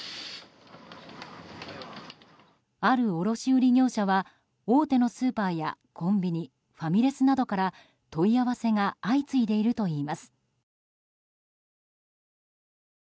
ある卸売業者は大手のスーパーやコンビニファミレスなどから問い合わせが相次いでいるといいます。